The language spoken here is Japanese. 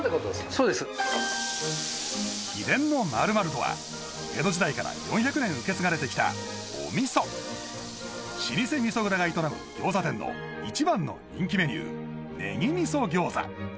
そうです秘伝の○○とは江戸時代から４００年受け継がれてきたお味噌老舗味噌蔵が営む餃子店の一番の人気メニューネギ味噌餃子